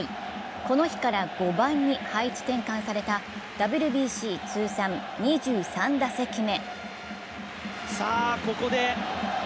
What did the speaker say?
この日から５番に配置転換されたＷＢＣ通算２３打席目。